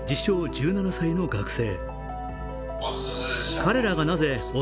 １７歳の学生。